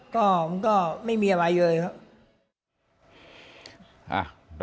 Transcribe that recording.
คุณพี่สมบูรณ์สังขทิบ